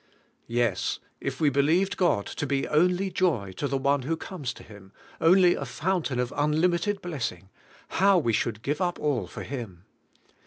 Yes, if we believed God to be only joy to the one THE KINGDOM FIRST 6S who comes to Him, only a fountain of unlimited blessing, how we should give up all for Him!